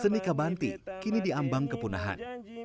seni kabanti kini diambang kepunahan